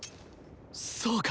そうか。